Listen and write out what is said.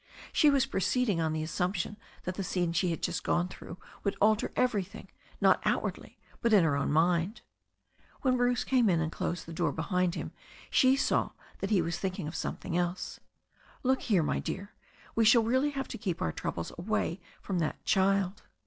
She was proceeding on the assumption that the scene she had just gone through would alter everything, not outwardly, but in her own mind. When Bruce came in and closed the door behind him she saw that he was thinking of something else. "Look here, my dear, we shall really have to keep our troubles away from that child."